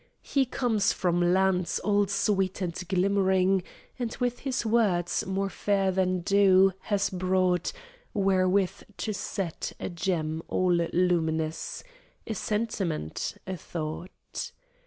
He comes from lands all sweet and glimmering, And with his words, more fair than dew, has brought, Wherewith to set, a gem all luminous, A sentiment, a thought.